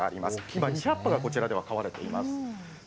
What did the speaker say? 今、２００羽がこちらで飼われています。